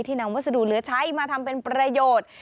นำวัสดุเหลือใช้มาทำเป็นประโยชน์